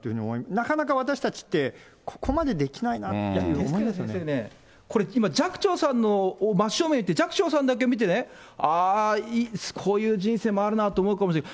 なかなか私たちって、これ、今、寂聴さんの真正面で、寂聴さんだけ見てね、ああ、こういう人生もあるなと思うかもしれない。